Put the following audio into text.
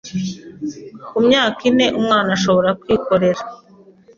Ku myaka ine umwana ashobora kwikorera,